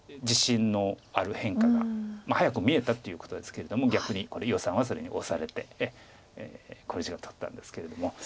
自信のある変化が早く見えたということですけれども逆に余さんはそれに押されて考慮時間取ったんですけれども。